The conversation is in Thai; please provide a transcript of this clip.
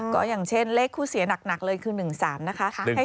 ก็อย่างเช่นเลขคู่เสียหนักเลยคือ๑๓นะคะ